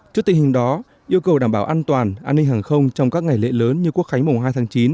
trước tình hình đó yêu cầu đảm bảo an toàn an ninh hàng không trong các ngày lễ lớn như quốc khánh mùng hai tháng chín